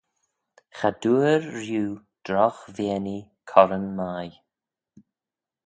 Cha dooar rieau drogh veaynee corran mie